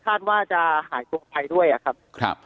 คาดว่าจะหายตัวไปด้วยอะครับ